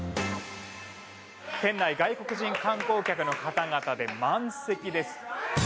店内外国人観光客の方々で満席です。